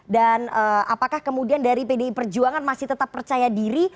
apakah kemudian dari pdi perjuangan masih tetap percaya diri